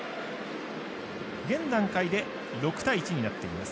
現段階で６対１になっています。